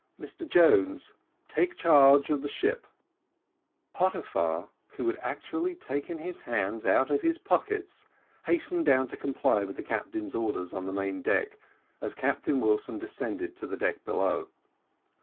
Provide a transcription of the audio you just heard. Mr Jones, take charge of the ship." Pottyfar, who actually had taken his hands out of his pockets, hastened down to comply with the captain's orders on the main deck, as Captain Wilson descended to the deck below.